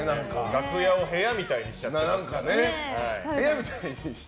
楽屋を部屋みたいにしちゃってますね。